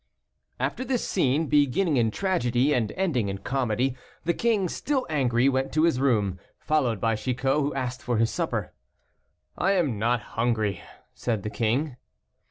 After this scene, beginning in tragedy and ending in comedy, the king, still angry, went to his room, followed by Chicot, who asked for his supper. "I am not hungry," said the king.